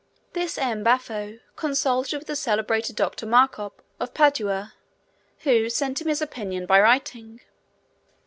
This M. Baffo consulted the celebrated Doctor Macop, of Padua, who sent him his opinion by writing.